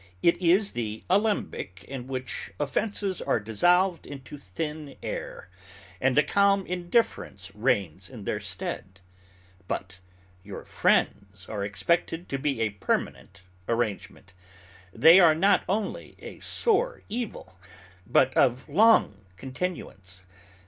It is the alembic in which offenses are dissolved into thin air, and a calm indifference reigns in their stead. But your friends are expected to be a permanent arrangement. They are not only a sore evil, but of long continuance.